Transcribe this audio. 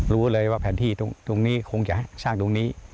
รู้เลยว่าแผนที่ตรงนี้คงจะสร้างตรงนี้